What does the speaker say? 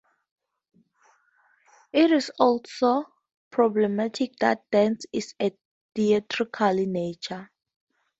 It is also problematic that dance is of a theatrical nature.